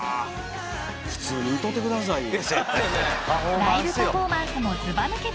普通に歌うてくださいよ。